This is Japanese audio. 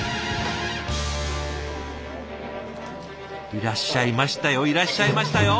いらっしゃいましたよいらっしゃいましたよ！